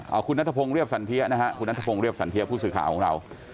เอาคุณนัทพงศ์เรียบสันเทียนะฮะคุณนัทพงศ์เรียบสันเทียผู้สื่อข่าวของเรา